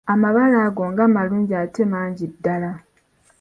Amabala ago nga malungi ate mangi ddala!